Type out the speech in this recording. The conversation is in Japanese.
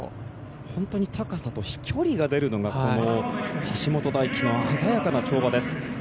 本当に高さと飛距離が出るのが橋本大輝の鮮やかな跳馬です。